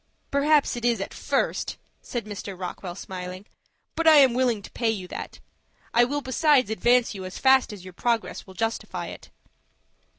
"Perhaps it is at first," said Mr. Rockwell, smiling; "but I am willing to pay you that. I will besides advance you as fast as your progress will justify it."